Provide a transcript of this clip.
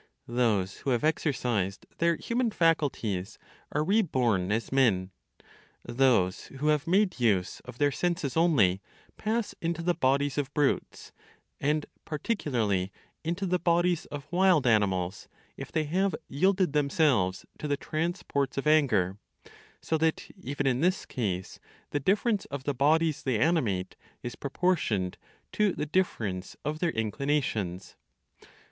Those who have exercised their human faculties are re born as men. Those who have made use of their senses only, pass into the bodies of brutes, and particularly into the bodies of wild animals, if they have yielded themselves to the transports of anger; so that, even in this case, the difference of the bodies they animate is proportioned to the difference of their inclinations.